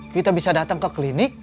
kita bisa datang ke klinik